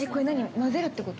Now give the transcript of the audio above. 混ぜるってこと？